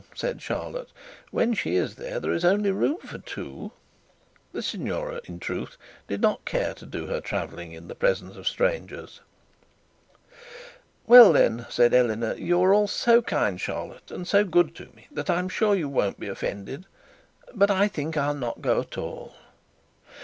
said Charlotte. 'When she is there, there is only room for two.' The signora, in truth, did not care to do her travelling in the presence of strangers. 'Well, then,' said Eleanor, 'you are all so kind, Charlotte, and so good to me, that I am sure you won't be offended; but I think I shall not go at all.'